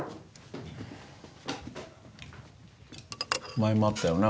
前もあったよな